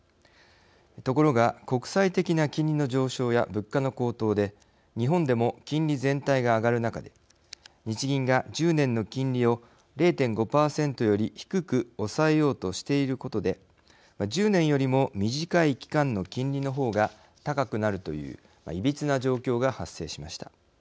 ところが、国際的な金利の上昇や物価の高騰で日本でも金利全体が上がる中で日銀が１０年の金利を０．５％より低く抑えようとしていることで、１０年よりも短い期間の金利の方が高くなるといういびつな状況が発生しました。